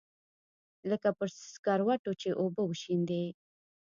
لکه پر سکروټو چې اوبه وشيندې.